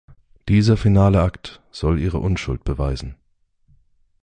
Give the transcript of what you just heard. Dieser finale Akt soll ihre Unschuld beweisen.